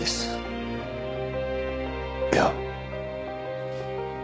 いや。